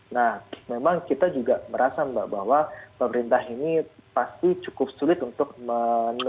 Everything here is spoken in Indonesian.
nah memang kita juga merasa mbak bahwa pemerintah ini pasti cukup sulit untuk menentukan